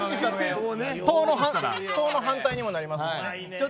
トの反対にもなります。